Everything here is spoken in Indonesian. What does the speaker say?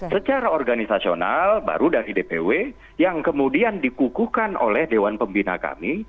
secara organisasional baru dari dpw yang kemudian dikukuhkan oleh dewan pembina kami